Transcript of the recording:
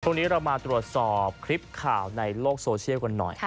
เรามาตรวจสอบคลิปข่าวในโลกโซเชียลกันหน่อย